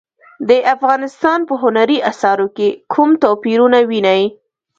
د افغانستان په هنري اثارو کې کوم توپیرونه وینئ؟